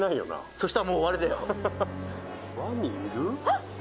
そしたらもう終わりだよワニいる？